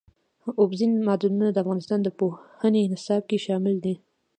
اوبزین معدنونه د افغانستان د پوهنې نصاب کې شامل دي.